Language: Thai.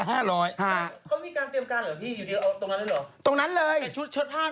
เขามีการเตรียมการเหรอพี่อยู่เดียวเอาตรงนั้นได้เหรอ